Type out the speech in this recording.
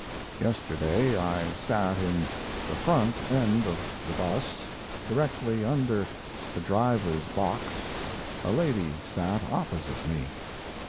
Yesterday I sat in the front end of the bus, directly under the driver's box a lady sat opposite me.